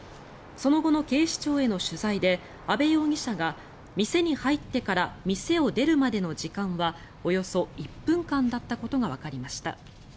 その後の警視庁への取材で阿部容疑者が店に入ってから店を出るまでの時間はおよそ１分間だったことがわかりました。